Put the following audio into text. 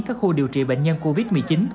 các khu điều trị bệnh nhân covid một mươi chín